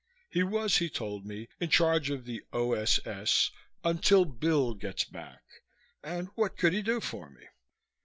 He was, he told me, in charge of the O.S.S. "until Bill gets back," and what could he do for me?